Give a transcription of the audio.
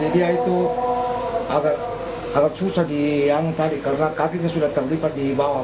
dia itu agak susah di yang tadi karena kakinya sudah terlibat di bawah